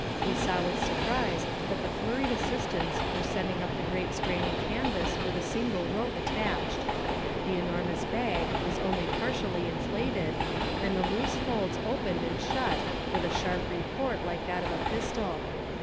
We saw with surprise that the flurried assistants were sending up the great straining canvas with a single rope attached. The enormous bag was only partially inflated, and the loose folds opened and shut with a sharp report like that of a pistol.